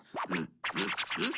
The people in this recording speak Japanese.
ん？